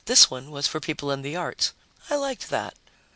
This one was for people in the arts. I liked that.